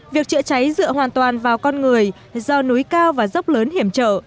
việc chữa cháy dựa hoàn toàn vào con người do núi cao và dốc lớn hiểm trở